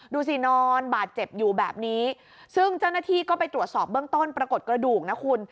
ดูสินอนบาดเจ็บอยู่แบบนี้ซึ่งเจ้าหน้าที่ก็ไปตรวจสอบเบื้องต้นปรากฏกระดูกนะคุณ